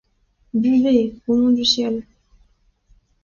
Buvez, au nom du ciel !